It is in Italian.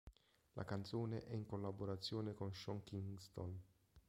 La canzone è in collaborazione con Sean Kingston.